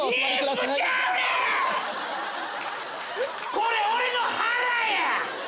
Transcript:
これ俺の腹や！